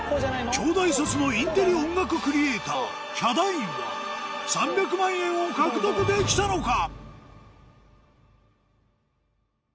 京大卒のインテリ音楽クリエーターヒャダインは３００万円を獲得できたのか？